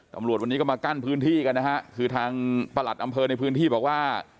ตำรวจวันนี้ก็มากั้นพื้นที่กันนะฮะคือทางประหลัดอำเภอในพื้นที่บอกว่า